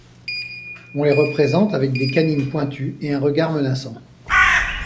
On les représente avec des canines pointues et un regard menaçant.